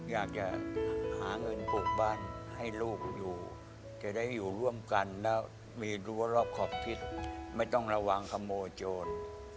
อยากจะหาเงินปลูกบ้านให้ลูกอยู่จะได้อยู่ร่วมกันแล้วมีรั้วรอบขอบทิศไม่ต้องระวังขโมยโจร